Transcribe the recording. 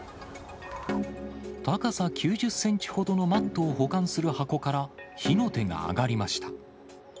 高さ９０センチほどのマットを保管する箱から火の手が上がりました。